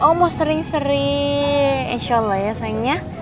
oh mau sering sering insya allah ya sayangnya